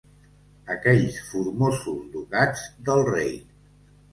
Aquells formosos ducats del rei